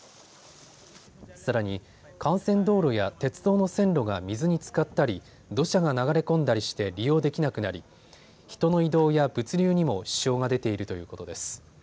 さらに幹線道路や鉄道の線路が水につかったり土砂が流れ込んだりして利用できなくなり人の移動や物流にも支障が出ているということです。